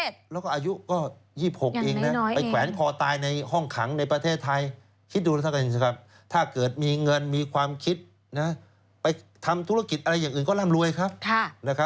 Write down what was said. เสียหายทั้งตัวเองทั้งครอบครัวทั้งประเทศ